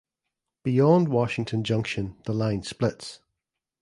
Beyond Washington Junction the line splits.